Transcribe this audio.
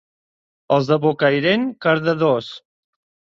Els de Bocairent, cardadors.